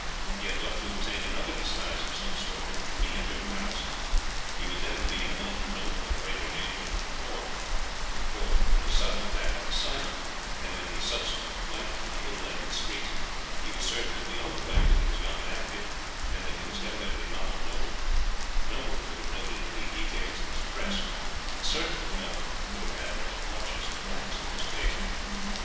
He had but to obtain another disguise of some sort and to re enter Paris; he would then be in no greater danger than before, for in the sudden attack on Simon, and in the subsequent flight through the ill lighted streets, he was certain that beyond the fact that he was young and active, and that he was evidently not a noble, no one could have noted any details of his dress, and certainly no one could have had as much as a glance at his face.